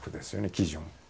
基準。